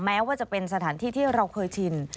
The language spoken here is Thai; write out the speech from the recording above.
แม้ว่าจะเป็นสถานที่ที่เราเคยชิน